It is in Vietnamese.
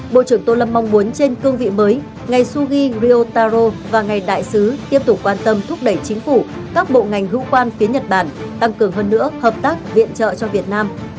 bộ trưởng tô lâm mong muốn trên cương vị mới ngài sugi ryotaro và ngài đại sứ tiếp tục quan tâm thúc đẩy chính phủ các bộ ngành hữu quan phía nhật bản tăng cường hơn nữa hợp tác viện trợ cho việt nam